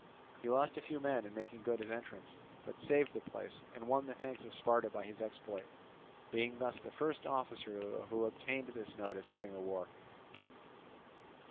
He lost a few men in making good his entrance, but saved the place and won the thanks of Sparta by his exploit, being thus the first officer who obtained this notice during the war.